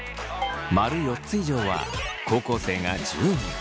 ○４つ以上は高校生が１０人。